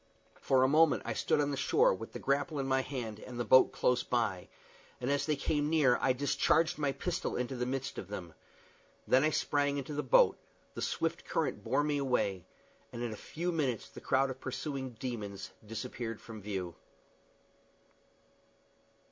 For a moment I stood on the shore, with the grapple in my hand and the boat close by, and as they came near I discharged my pistol into the midst of them. Then I sprang into the boat; the swift current bore me away, and in a few minutes the crowd of pursuing demons disappeared from view.